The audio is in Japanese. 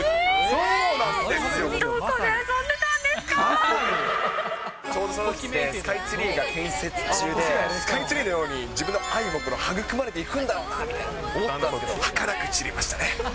ちょうどそのときって、スカイツリーが建設中で、スカイツリーのように自分の愛も育まれていくんだみたいに思ってたんですけど、はかなく散りましたね。